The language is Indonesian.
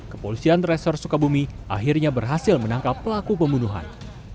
kepolisian resor sukabumi akhirnya berhasil menangkap pelaku pembunuhan